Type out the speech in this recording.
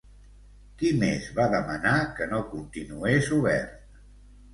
Qui més va demanar que no continués obert?